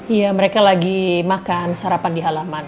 iya mereka lagi makan sarapan di halaman